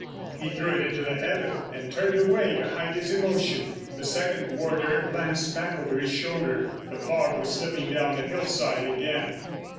He threw it into the heather, and turned away to hide his emotion. The second warder glanced back over his shoulder. The fog was slipping down the hillside again.